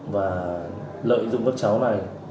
và lợi dụng các cháu này